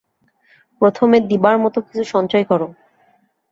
প্রথমে দিবার মত কিছু সঞ্চয় কর।